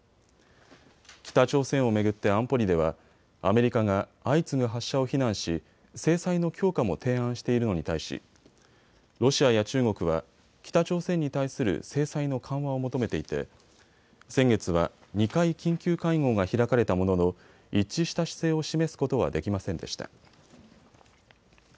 北朝鮮を巡って安保理ではアメリカが相次ぐ発射を非難し制裁の強化も提案しているのに対しロシアや中国は北朝鮮に対する制裁の緩和を求めていて先月は２回、緊急会合が開かれたものの一致した姿勢を示すことはできませんでした。